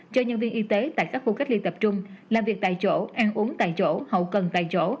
cho nhân viên y tế tại các khu cách ly tập trung làm việc tại chỗ ăn uống tại chỗ hậu cần tại chỗ